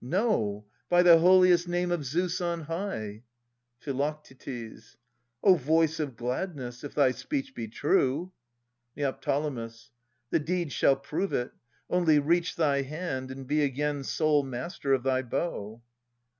No, by the holiest name of Zeus on high ! Phi. O voice of gladness, if thy speech be true ! Neo. The deed shall prove it. Only reach thy hand, And be again sole master of thy bow.